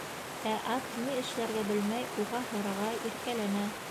Ә ат ни эшләргә белмәй: уға һырыға, иркәләнә...